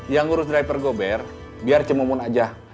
yang ngurus driver gober biar cemomun aja